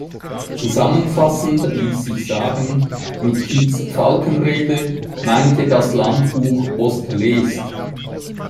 Zusammenfassend ließ sich sagen: Mit Kietz Falkenrehde meinte das Landbuch Ost-Leest.